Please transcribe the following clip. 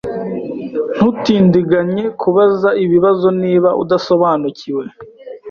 Ntutindiganye kubaza ibibazo niba udasobanukiwe.